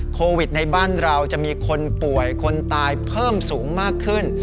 โควิดในบ้านเราจะมีคนป่วยคนตายเพิ่มสูงมากขึ้น